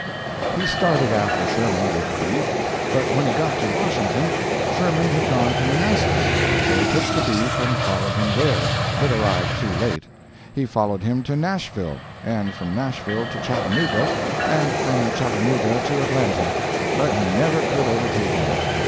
He started after Sherman with the beef, but when he got to Washington Sherman had gone to Manassas; so he took the beef and followed him there, but arrived too late; he followed him to Nashville, and from Nashville to Chattanooga, and from Chattanooga to Atlanta but he never could overtake him.